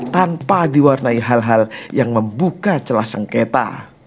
tanpa diwarnai hal hal yang membuka celah sengketa